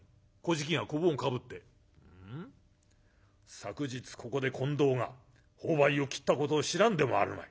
昨日ここで近藤が朋輩を斬ったことを知らんでもあるまい。